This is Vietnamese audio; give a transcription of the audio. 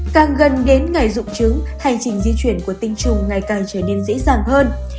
càng gần đến ngày rụng trứng hành trình di chuyển của tinh trùng ngày càng trở nên dễ dàng hơn